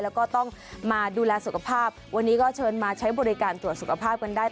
แล้วก็ต้องมาดูแลสุขภาพวันนี้ก็เชิญมาใช้บริการตรวจสุขภาพกันได้